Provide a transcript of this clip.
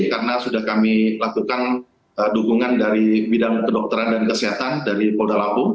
karena sudah kami lakukan dukungan dari bidang kedokteran dan kesehatan dari polda lampung